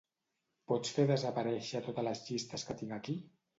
Pots fer desaparèixer totes les llistes que tinc aquí?